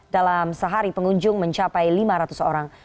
dalam sehari pengunjung mencapai lima ratus orang